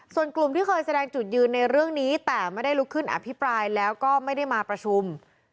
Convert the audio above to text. ส่วนกลุ่มที่เคยแสดงจุดยืนในเรื่องนี้แต่ไม่ได้ลุกขึ้นอภิปรายแล้วก็ไม่ได้มาประชุม